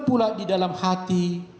pula di dalam hati